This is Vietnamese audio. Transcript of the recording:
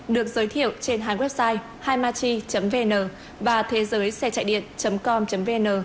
được giới thiệu trên hai website himachi vn và thế giớixechạydiet com vn